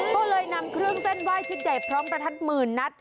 ก็เลยนำเครื่องเส้นไหว้ชุดใหญ่พร้อมประทัดหมื่นนัด